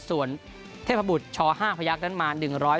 ส่วนเทพบุรรณ์ช๕พระยักษ์นั้นมา๑๓๕